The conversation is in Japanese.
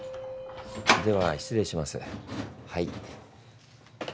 では失礼しますはい。